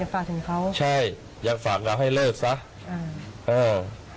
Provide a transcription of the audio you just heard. อยากฝากถึงเขาใช่อยากฝากเราให้เลิกซะเออ